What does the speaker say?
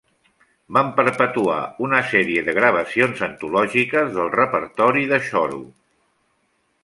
Van perpetuar una sèrie de gravacions antològiques del repertori de xoro.